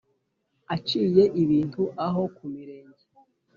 Aciye ibintu aho ku mirenge